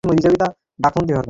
আমরা আরেকটা ঝুড়ি বানিয়ে নেব।